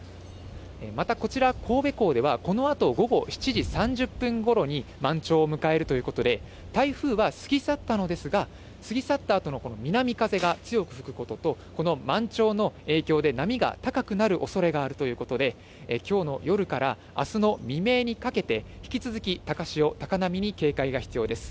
またこちら、神戸港では、このあと午後７時３０分ごろに満潮を迎えるということで、台風は過ぎ去ったのですが、過ぎ去ったあとの南風が強く吹くことと、この満潮の影響で、波が高くなるおそれがあるということで、きょうの夜からあすの未明にかけて、引き続き高潮、高波に警戒が必要です。